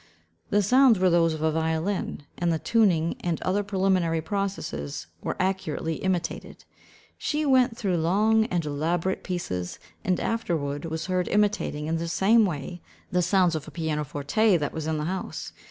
The sounds were those of a violin, and the tuning and other preliminary processes were accurately imitated. She went through long and elaborate pieces, and afterward was heard imitating, in the same way, the sounds of a pianoforte that was in the house.